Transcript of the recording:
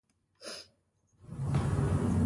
د کابل په کلکان کې د ګرانیټ نښې شته.